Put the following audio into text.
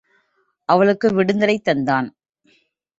அவர்களுக்கு விடுதலை தந்தான்.